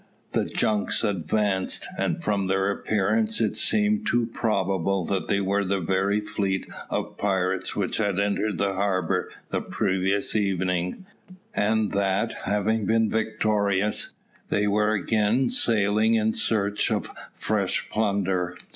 The junks advanced, and from their appearance it seemed too probable that they were the very fleet of pirates which had entered the harbour the previous evening, and that, having been victorious, they were again sailing in search of fresh plunder.